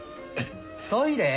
トイレ？